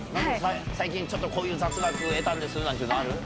最近、ちょっとこういう雑学を得たんですなんてある？